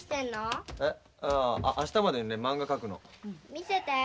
見せて。